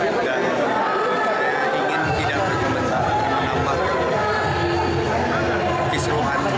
saya sendiri kaget dan saya ingin tidak berjumpa dengan mana mana yang disuruhkan